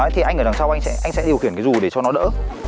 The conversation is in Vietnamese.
thì anh ở đằng sau anh sẽ điều khiển cái gì để cho nó đỡ